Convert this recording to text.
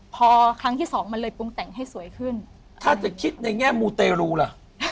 พอครั้งที่สองมันเลยปรุงแต่งให้สวยขึ้นถ้าจะคิดในแง่มูเตรูล่ะ